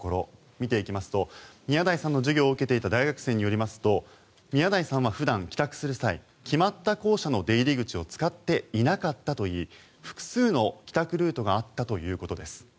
見ていきますと宮台さんの授業を受けていた大学生によりますと宮台さんは普段、帰宅する際決まった校舎の出入り口を使っていなかったといい複数の帰宅ルートがあったということです。